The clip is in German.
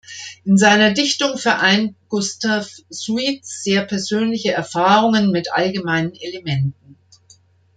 In seiner Dichtung vereint Gustav Suits sehr persönliche Erfahrungen mit allgemeinen Elementen.